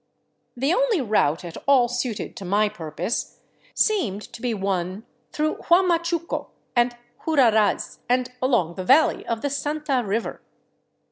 The only route at all suited to my purpose seemed to be one through Huamachuco and Huraraz, and along the valley of the Santa river.